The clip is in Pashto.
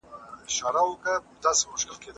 د خبرې کولو د زده کړې پروژه.